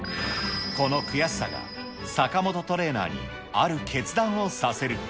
この悔しさが、坂本トレーナーにある決断をさせる。